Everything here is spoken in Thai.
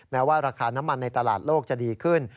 แม้ว่าราคาน้ำมันในตลาดโลกจะดีขึ้น